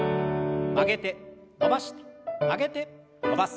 曲げて伸ばして曲げて伸ばす。